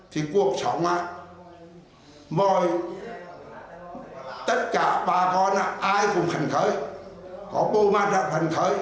thì cuộc sống mọi tất cả bà con ai cũng hành khởi có bộ bàn đặt hành khởi